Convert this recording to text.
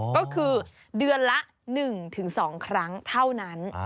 ก็คือเดือนละ๑๒ครั้งเท่านั้น